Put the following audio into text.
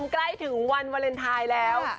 ใกล้ถึงวันวาเลนไทยแล้ว